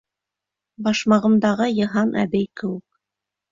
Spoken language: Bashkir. «Башмағым»дағы Йыһан әбей кеүек.